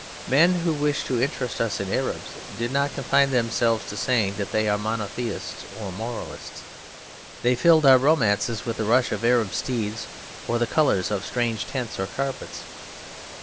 Men who wished to interest us in Arabs did not confine themselves to saying that they are monotheists or moralists; they filled our romances with the rush of Arab steeds or the colours of strange tents or carpets.